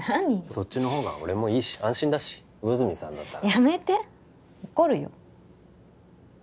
そっちのほうが俺もいいし安心だし魚住さんだったらやめて怒るよ